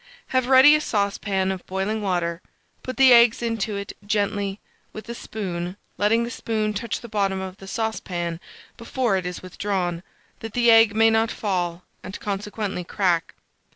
Have ready a saucepan of boiling water; put the eggs into it gently with a spoon, letting the spoon touch the bottom of the saucepan before it is withdrawn, that the egg may not fall, and consequently crack.